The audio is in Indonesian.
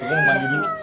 aku mau mandi dulu